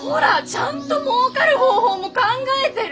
ちゃんともうかる方法も考えてる！